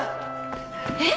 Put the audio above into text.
えっ？